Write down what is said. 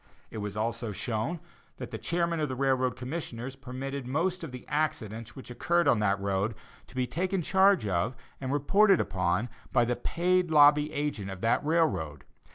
It was also shown that the chairman of the railroad commissioners permitted most of the accidents which occurred on that road to be taken charge of and reported upon by the paid lobby agent of that railroad.